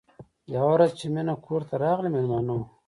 یوه ورځ چې مینه کور ته راغله مېلمانه وو